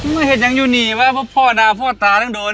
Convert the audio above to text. ไม่เห็นยังอยู่นี่วะเพราะพ่อด่าพ่อตาต้องโดน